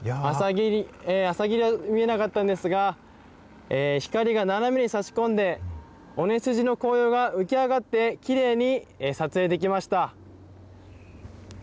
朝霧は見なかったんですが光が斜めに差し込んで尾根筋の紅葉が浮き上がってきれいに撮影できました。